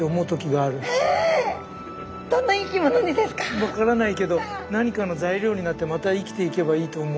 分からないけど何かの材料になってまた生きていけばいいと思う。